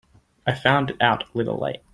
I found it out a little late.